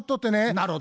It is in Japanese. なるほど。